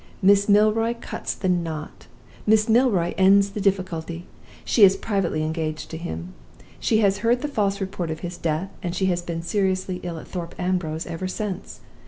Miss Milroy cuts the knot! Miss Milroy ends the difficulty! She is privately engaged to him. She has heard the false report of his death; and she has been seriously ill at Thorpe Ambrose ever since.